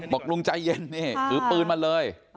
บอกลุงใจเย็นนี่ถือปืนมาเลย